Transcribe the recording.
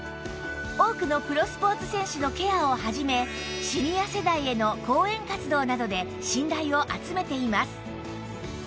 多くのプロスポーツ選手のケアを始めシニア世代への講演活動などで信頼を集めています